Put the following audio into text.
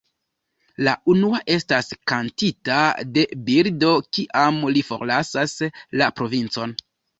La unua estas kantita de Bildo kiam li forlasas La Provincon.